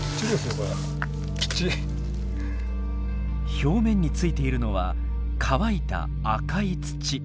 表面についているのは乾いた赤い土。